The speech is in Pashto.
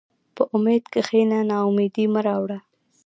په امید کښېنه، ناامیدي مه راوړه.